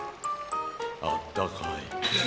あったかい。